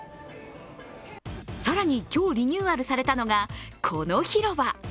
更に今日リニューアルされたのがこの広場。